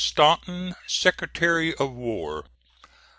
STANTON, Secretary of War.